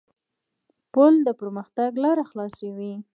پُل د پرمختګ لاره خلاصوي.